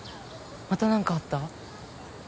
また何かあった？